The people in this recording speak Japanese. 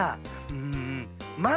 うん。